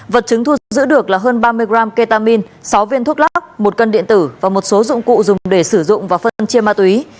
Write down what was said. vật chứng thu giữ được là hơn ba mươi gram ketamine sáu viên thuốc lắc một cân điện tử và một số dụng cụ dùng để sử dụng và phân chia ma túy